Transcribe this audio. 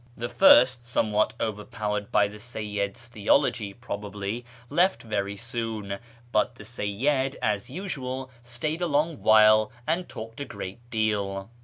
The first, somewhat KIRMAN society 459 overpowered by the Seyyid's theology, probably, left very soon ; but the Seyyid, as usual, stayed a long while and talked a great deal.